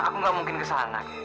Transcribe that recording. aku nggak mungkin ke sana keh